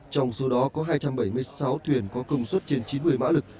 trong số đó có hai trăm bảy mươi sáu thuyền có công suất trên chín mươi mã lực